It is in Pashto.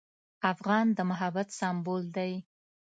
افغان د محبت سمبول دی.